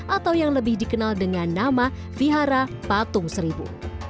atau yang lebih dikenal dengan nama vihara patung seribu